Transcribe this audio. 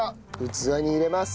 器に入れます。